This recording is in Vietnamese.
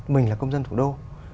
mình là công dân thủ đô